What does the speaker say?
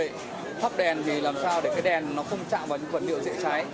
rồi là sắp đèn thì làm sao để cái đèn nó không chạm vào những phần liệu dễ cháy